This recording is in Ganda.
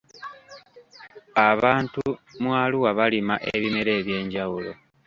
Abantu mu Arua balima ebimera ebyenjawulo.